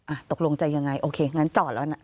ตกลงจะยังไงโอเคงั้นจอดแล้วนะ